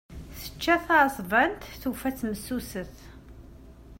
Tečča taεeṣbant, tufa-tt messuset.